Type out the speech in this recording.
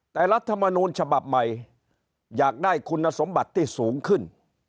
แต่รัฐมนูลฉบับใหม่อยากได้คุณสมบัติที่สูงขึ้น